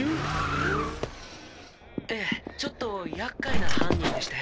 「ええちょっと厄介な犯人でして」。